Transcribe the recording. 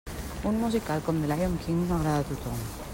Un musical com The Lyon King no agrada a tothom.